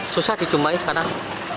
susah dicumpai sekarang